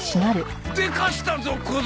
でかしたぞ小僧！